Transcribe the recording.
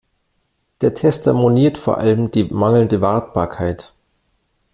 Der Tester moniert vor allem die mangelnde Wartbarkeit.